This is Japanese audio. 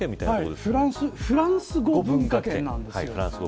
フランス語文化圏なんです。